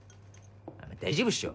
大丈夫っしょ